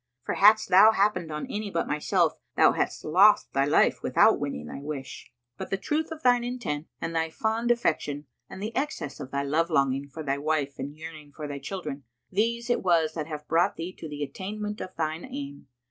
For, hadst thou happened on any but myself, thou hadst lost thy life without winning thy wish; but the truth of thine intent and thy fond affection and the excess of thy love longing for thy wife and yearning for thy children, these it was that have brought thee to the attainment of thine aim.